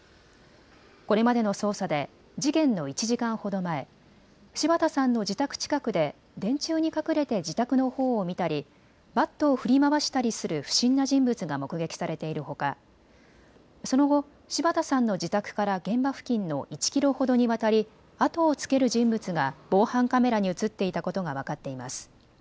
これまでの捜査で事件の１時間ほど前、柴田さんの自宅近くで電柱に隠れて自宅のほうを見たりバットを振り回したりする不審な人物が目撃されているほか、その後、柴田さんの自宅から現場付近の１キロほどにわたり後をつける人物が防犯カメラに写っていたことが分かっています。